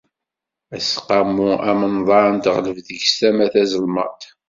Aseqqamu amenḍan teɣleb deg-s tama tazelmaḍt.